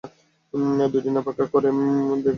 দুদিন অপেক্ষা কর নিজেই দেখবি?